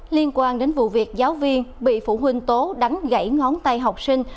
liên quan đến vụ việc giáo viên bị phụ huynh tố đắng gãy ngón tay học sinh